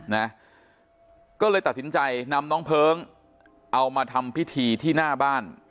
นะก็เลยตัดสินใจนำน้องเพลิงเอามาทำพิธีที่หน้าบ้าน